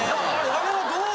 あれはどういう？